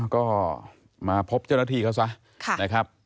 ก็มาพบเจ้าหน้าที่เขาซะนะครับ